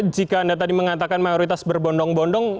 jika anda tadi mengatakan mayoritas berbondong bondong